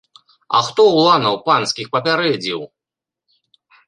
А хто уланаў панскіх папярэдзіў?